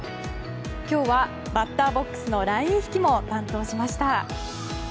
今日はバッターボックスのライン引きも担当しました。